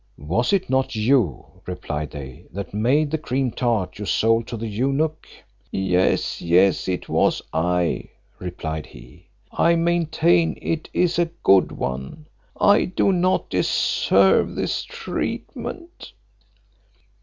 "Was it not you," replied they, "that made the cream tart you sold to the eunuch?" "Yes, yes, it was I," replied he; "I maintain it is a good one. I do not deserve this treatment."